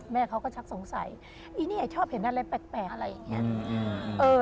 แม่เขาก็ชักสงสัยอีนี่ชอบเห็นอะไรแปลกอะไรอย่างนี้